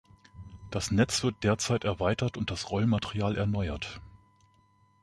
Das Netz wird derzeit erweitert und das Rollmaterial erneuert.